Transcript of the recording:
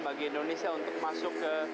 bagi indonesia untuk masuk ke